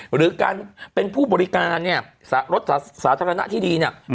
หรือการเป็นผู้บริการเนี่ยรถสาธารณะที่ดีเนี่ย